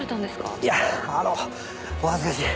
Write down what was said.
いやあのお恥ずかしい。